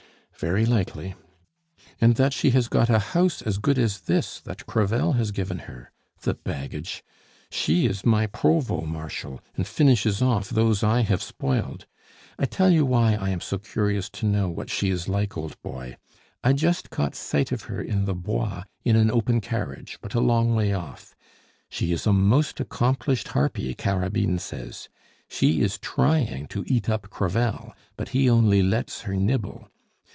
"Very likely." "And that she has got a house as good as this, that Crevel has given her. The baggage! She is my provost marshal, and finishes off those I have spoiled. I tell you why I am so curious to know what she is like, old boy; I just caught sight of her in the Bois, in an open carriage but a long way off. She is a most accomplished harpy, Carabine says. She is trying to eat up Crevel, but he only lets her nibble.